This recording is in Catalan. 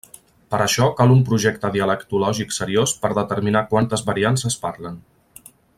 Per a això cal un projecte dialectològic seriós per determinar quantes variants es parlen.